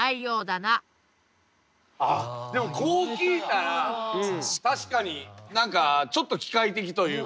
あっでもこう聞いたら確かに何かちょっと機械的というか。